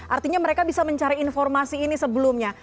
artinya mereka bisa mencari informasi ini sebelumnya